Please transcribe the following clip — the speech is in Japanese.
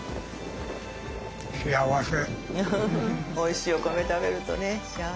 おいしいお米食べるとねしあわせ。